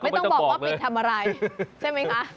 ต้องบอกว่าปิดทำอะไรใช่ไหมคะ